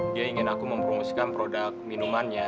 dia ingin aku mempromosikan produk minumannya